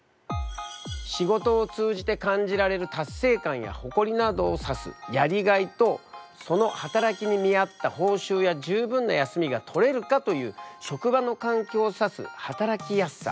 仕事を通じて感じられる達成感や誇りなどを指すやりがいとその働きに見合った報酬や十分な休みが取れるかという職場の環境を指す働きやすさ。